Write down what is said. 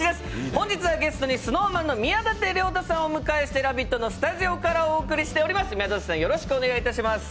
本日はゲストにＳｎｏｗＭａｎの宮舘涼太さんをお迎えして「ラヴィット！」のスタジオからお送りしております。